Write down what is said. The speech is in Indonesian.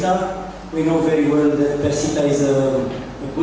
kita tahu dengan baik bahwa persita adalah tim yang baik